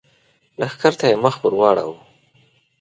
لښکر ته يې مخ ور واړاوه!